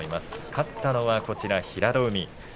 勝ったのは平戸海。